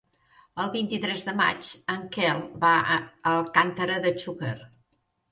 El vint-i-tres de maig en Quel va a Alcàntera de Xúquer.